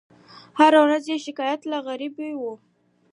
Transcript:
هره ورځ یې شکایت له غریبۍ وو